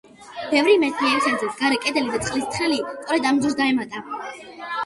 ბევრი მეცნიერის აზრით გარე კედელი და წყლის თხრილი სწორედ ამ დროს დაემატა.